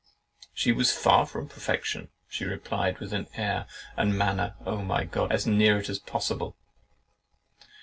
"She was far from perfection," she replied, with an air and manner (oh, my God!) as near it as possible.